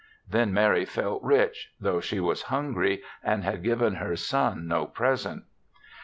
Then Mary felt rich, though she was hungry and had given her son no present.